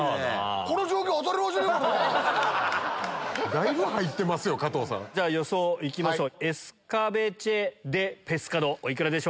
だいぶ入ってますよ加藤さん。じゃ予想いきましょうお幾らでしょうか？